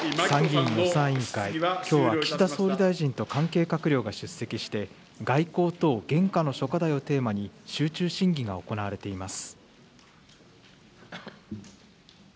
参議院予算委員会、きょうは岸田総理大臣と関係閣僚が出席して、外交等現下の諸課題をテーマに集中審議が行われています。